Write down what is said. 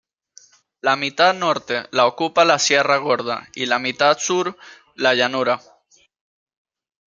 La mitad norte la ocupa la Sierra Gorda y la mitad sur la llanura.